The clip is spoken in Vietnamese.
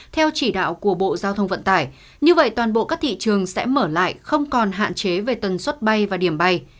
theo chỉ đạo của bộ giao thông vận tải như vậy toàn bộ các thị trường sẽ mở lại không còn hạn chế về tần suất bay và điểm bay